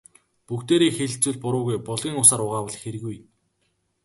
Бүгдээрээ хэлэлцвэл буруугүй, булгийн усаар угаавал хиргүй.